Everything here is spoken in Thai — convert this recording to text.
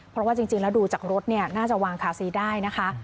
เพราะว่าจริงแล้วดูจากรถเนี่ยน่าจะวางคาซีได้นะคะ